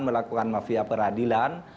melakukan mafia peradilan